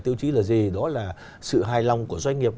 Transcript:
tiêu chí là gì đó là sự hài lòng của doanh nghiệp